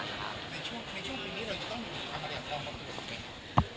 ในช่วงปีนี้เราจะต้องทำอะไรอย่างตอบคำถูกหรือเปลี่ยน